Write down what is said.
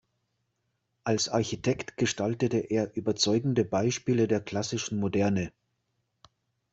Als Architekt gestaltete er überzeugende Beispiele der klassischen Moderne.